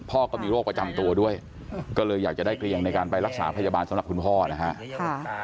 ก็มีโรคประจำตัวด้วยก็เลยอยากจะได้เกลียงในการไปรักษาพยาบาลสำหรับคุณพ่อนะฮะ